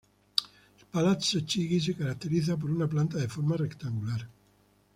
El Palazzo Chigi se caracteriza por una planta de forma rectangular.